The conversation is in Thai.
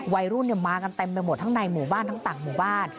วัยรุ่นมากันเต็มไปหมดทั้งในหมู่บ้านทั้งต่างหมู่บ้าน